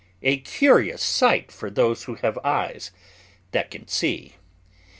A curious sight for those who have eyes that can see.